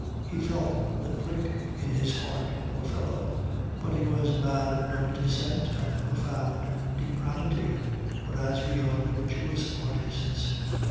he felt the prick in his heart, poor fellow. But he was a man of noble descent and profound depravity, whereas we are virtuous artists.